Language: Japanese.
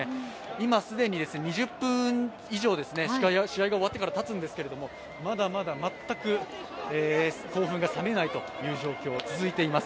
今既に２０分以上、試合が終わってからたつんですけれども、まだまだ全く興奮が冷めないという状況、続いています。